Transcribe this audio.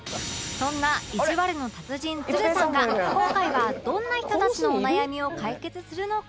そんないじわるの達人つるさんが今回はどんな人たちのお悩みを解決するのか？